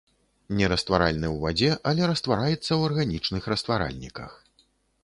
Нерастваральны ў вадзе, але раствараецца ў арганічных растваральніках.